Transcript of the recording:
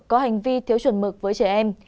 có hành vi thiếu chuẩn mực với trẻ em